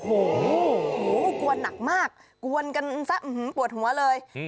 โอ้โหกวนหนักมากกวนกันซะปวดหัวเลย